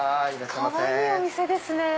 かわいいお店ですね。